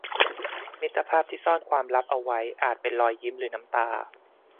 มิตรภาพที่ซ่อนความลับเอาไว้อาจเป็นรอยยิ้มหรือน้ำตา